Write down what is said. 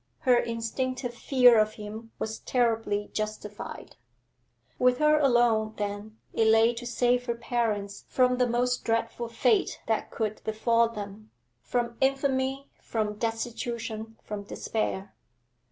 Her instinctive fear of him was terribly justified. With her alone, then, it lay to save her parents from the most dreadful fate that could befal them, from infamy, from destitution, from despair.